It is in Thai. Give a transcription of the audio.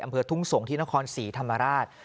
อำเภอทุ่งสงศ์ที่นครศรีธรรมราช